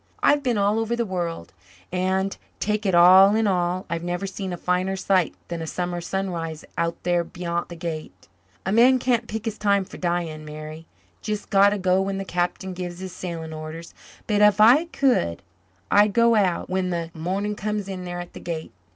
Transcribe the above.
"I've been all over the world and, take it all in all, I've never seen a finer sight than a summer sunrise out there beyant the Gate. A man can't pick his time for dying, Mary jest got to go when the Captain gives his sailing orders. But if I could I'd go out when the morning comes in there at the Gate.